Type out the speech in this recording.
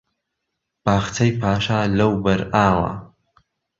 باخچەی پاشا لەوبەر ئاوە